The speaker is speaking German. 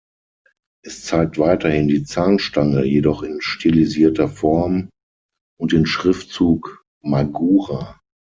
Es zeigt weiterhin die Zahnstange, jedoch in stilisierter Form und den Schriftzug Magura.